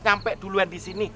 sampai duluan di sini